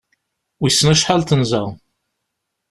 Wiss acḥal tenza?